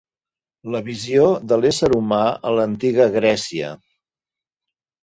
La visió de l'ésser humà a l'antiga Grècia